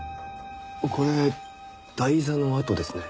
これ台座の跡ですね。